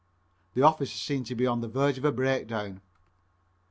The officer seemed to be on the verge of a breakdown.